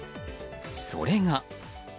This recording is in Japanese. それが。